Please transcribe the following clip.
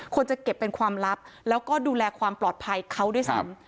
ควรจะเก็บเป็นความลับแล้วก็ดูแลความปลอดภัยเขาด้วยซ้ำ